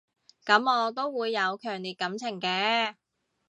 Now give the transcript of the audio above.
噉我都會有強烈感情嘅